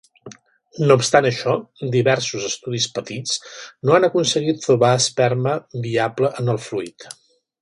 No obstant això, diversos estudis petits no han aconseguit trobar esperma viable en el fluid.